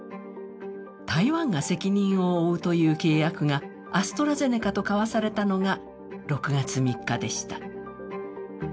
台湾が責任を負うという契約がアストラゼネカと交わされたのが６月３日でした。